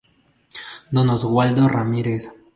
Don Oswaldo Ramírez.